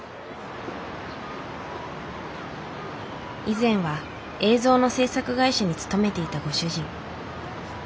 以前は映像の制作会社に勤めていたご主人。